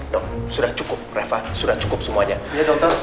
dok sudah cukup reva sudah cukup semuanya ya dokter